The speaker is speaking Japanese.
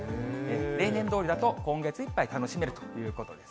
例年どおりだと今月いっぱい楽しめるということです。